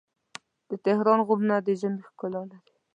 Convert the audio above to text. د تهران غرونه د ژمي ښکلا لري.